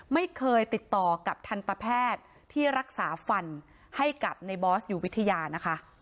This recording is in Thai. ไม่เคยติดต่อกับทันตแพทย์ที่รักษาฟันให้กับในบอสอยู่วิทยานะคะ